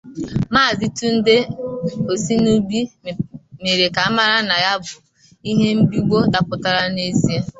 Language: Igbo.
Maazị Tunde Osinubi mèrè ka a mara na ya bụ ihe mbigbo dapụtàrà n'ezie